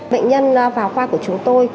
bệnh nhân vào khoa của chúng tôi